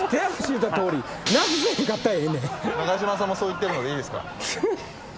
永島さんもそう言ってるのでいいですか？